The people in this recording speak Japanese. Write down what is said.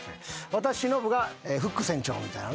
私ノブがフック船長みたいな。